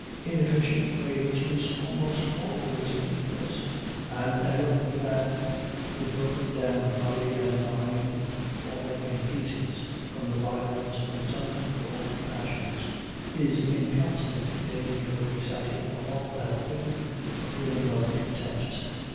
Inefficient rage is almost always ridiculous; and an old man, with a broken down body and a mind falling in pieces from the violence of its uncontrolled passions, is in constant danger of exciting, along with our pity, a feeling of contempt.